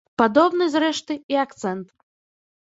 Падобны, зрэшты, і акцэнт.